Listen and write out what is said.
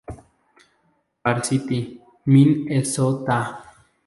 Varsity, Minn-e-So-Tah!